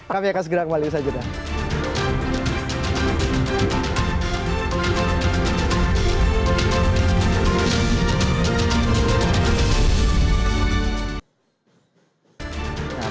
kami akan segera kembali ke sajudah